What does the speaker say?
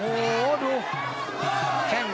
เจ้าสองเจ้าสอง